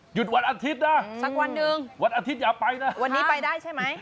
หยุดวันอาทิตย์นะวันอาทิตย์อย่าไปนะวันนี้ไปได้ใช่ไหม